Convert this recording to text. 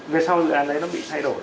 về sau dự án đấy nó bị thay đổi